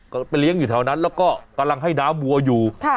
ก็ไปเลี้ยงอยู่แถวนั้นแล้วก็กำลังให้น้ำวัวอยู่